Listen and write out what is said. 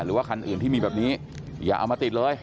หรือว่าคันอื่นที่มีแบบนี้อย่าเอามาติดเลย